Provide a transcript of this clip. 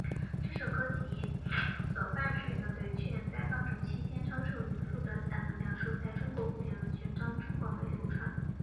这首歌及所伴随的对屈原在放逐期间遭遇渔父的散文描述在中国古典文学中广为流传。